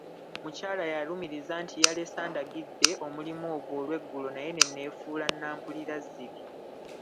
Mukyala yalumiriza nti yalese andagidde omulimu ogwo olweggulo naye ne neefuula nnampulirazzibi.